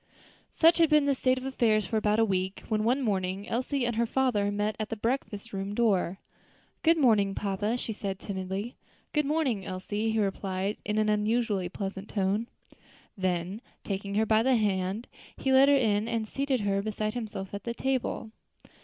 _ Such had been the state of affairs for about a week, when one morning Elsie and her father met at the breakfast room door. "Good morning, papa," she said timidly. "Good morning, Elsie," he replied in an unusually pleasant tone. Then, taking her by the hand, he led her in and seated her beside himself at the table.